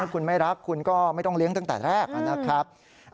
คุณไม่รักคุณก็ไม่ต้องเลี้ยงตั้งแต่แรกนะครับ